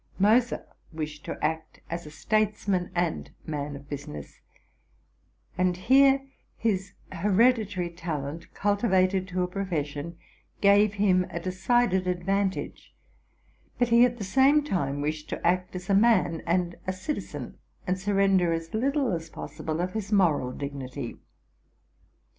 Moser wished to act as a statesman and mau of business; and here his hereditary talent, cultivated to 4 profession, gave him a decided advantage: but he at the same time wished to act as a man and a citizen, and sur render as little as possible of his moral dignity.